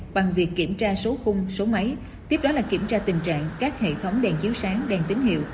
bằng việc kiểm tra số khung số máy tiếp đó là kiểm tra tình trạng các hệ thống đèn chiếu sáng đèn tín hiệu